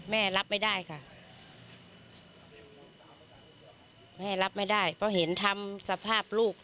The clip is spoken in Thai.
แม่รับไม่ได้ค่ะแม่รับไม่ได้เพราะเห็นทำสภาพลูก